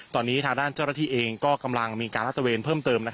ตอนนี้ทางด้านเจ้าหน้าที่เองก็กำลังมีการละเติม